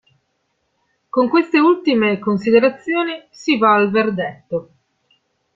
Con queste ultime considerazioni, si va al verdetto.